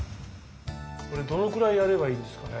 これどのくらいやればいいんですかね？